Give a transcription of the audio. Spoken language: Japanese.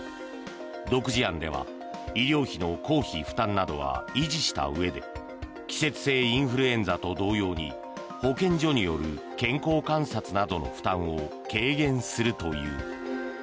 独自案では医療費の公費負担などは維持したうえで季節性インフルエンザと同様に保健所による健康観察などの負担を軽減するという。